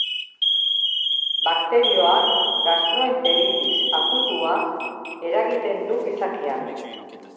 Bakterioak gastroenteritis akutua eragiten du gizakian.